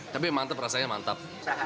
tapi mantap rasanya mantap